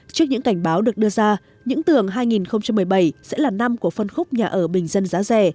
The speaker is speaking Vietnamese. trước những cảnh báo được đưa ra những tưởng hai nghìn một mươi bảy sẽ là năm của phân khúc nhà ở bình dân giá rẻ